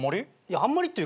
あんまりっていうか